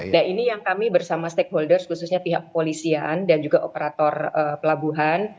nah ini yang kami bersama stakeholders khususnya pihak polisian dan juga operator pelabuhan